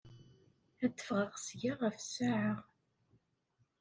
Ad d-ffɣeɣ seg-a ɣef ssaɛa.